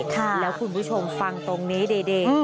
แล้วคุณผู้ชมฟังตรงนี้ดี